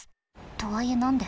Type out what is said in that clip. とはいえ何で？